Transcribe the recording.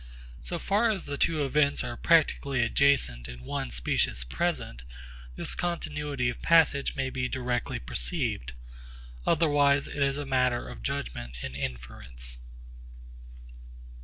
So far as the two events are practically adjacent in one specious present, this continuity of passage may be directly perceived. Otherwise it is a matter of judgment and inference.